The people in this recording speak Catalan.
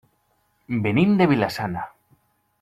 Venim de Vila-sana.